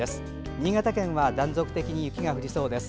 新潟県は断続的に雪が降りそうです。